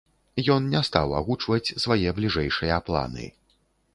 Ён не стаў агучваць свае бліжэйшыя планы.